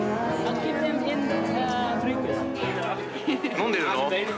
飲んでるの？